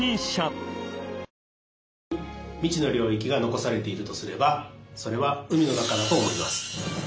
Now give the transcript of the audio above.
地球上に未知の領域が残されているとすればそれは海の中だと思います。